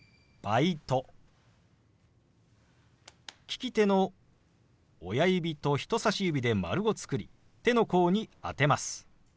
利き手の親指と人さし指で丸を作り手の甲に当てます。